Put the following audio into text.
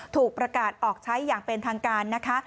ถูกประกาศออกใช้อย่างเป็นทางการนะคะ